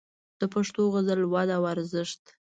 د پښتو غزل وده او ارزښت